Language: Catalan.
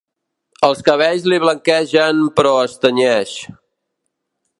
Els cabells li blanquegen, però es tenyeix.